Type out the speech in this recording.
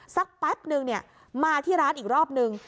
แป๊บนึงมาที่ร้านอีกรอบนึง